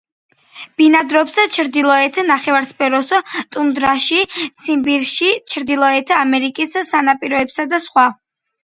ბინადრობს ჩრდილოეთ ნახევარსფეროს ტუნდრაში; ციმბირში, ჩრდილოეთ ამერიკის სანაპიროებსა და სხვა.